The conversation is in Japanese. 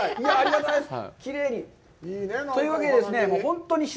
ありがとうございます。